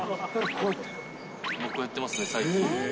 こうやってますね、最後。